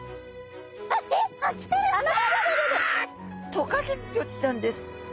トカゲゴチちゃんです！